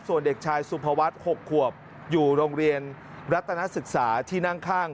ส่วนเด็กชายสุภวัฒน์๖ขวบอยู่โรงเรียนรัตนศึกษาที่นั่งข้าง